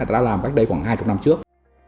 đã làm cách đây khoảng hai mươi năm trước